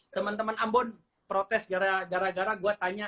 teman teman ambon protes gara gara gue tanya